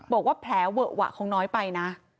บอกว่าแผลเวอะหวะคงน้อยไปนะ